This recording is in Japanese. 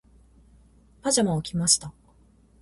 パジャマを着ました。